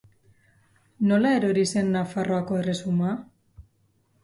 Nola erori zen Nafarroako erresuma?